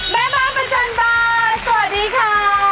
แม่บ้านประจำบานสวัสดีค่ะ